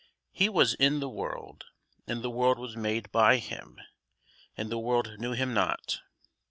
He was in the world, and the world was made by him, and the world knew him not.